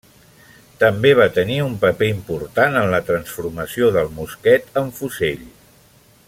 També va tenir un paper important en la transformació del mosquet en fusell.